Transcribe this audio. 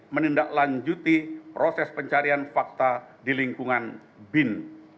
menindaklanjuti proses pencarian fakta di lingkungan bin